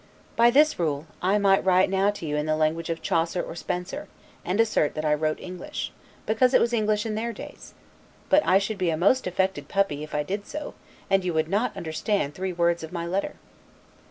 By this rule, I might now write to you in the language of Chaucer or Spenser, and assert that I wrote English, because it was English in their days; but I should be a most affected puppy if I did so, and you would not understand three words of my letter.